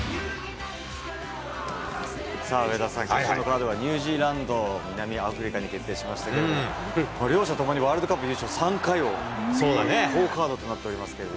さあ、上田さん、決勝のカードがニュージーランド・南アフリカに決定しましたけど、両者ともにワールドカップ優勝３回の好カードとなりましたけど。